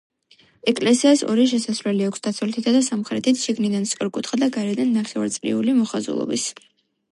ეკლესიას ორი შესასვლელი აქვს: დასავლეთითა და სამხრეთით, შიგნიდან სწორკუთხა და გარედან ნახევარწრიული მოხაზულობის.